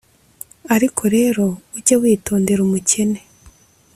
Ariko rero, ujye witondera umukene,